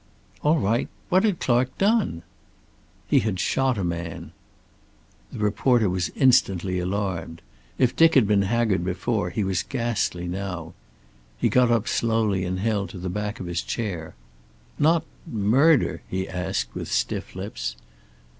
"All right. What had Clark done?" "He had shot a man." The reporter was instantly alarmed. If Dick had been haggard before, he was ghastly now. He got up slowly and held to the back of his chair. "Not murder?" he asked, with stiff lips.